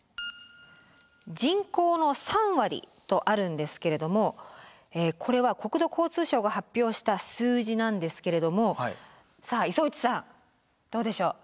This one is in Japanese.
「人口の３割」とあるんですけれどもこれは国土交通省が発表した数字なんですけれどもさあ磯打さんどうでしょう？